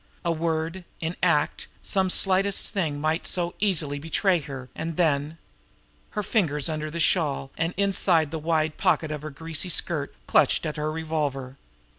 A word, in act, some slightest thing, might so easily betray her; and then Her fingers under the shawl and inside the wide pocket of her greasy skirt, clutched at her revolver.